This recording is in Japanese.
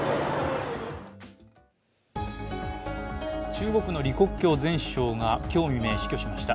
中国の李克強前首相が今日未明、死去しました。